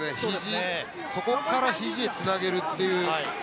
そこからひじにつなげるという。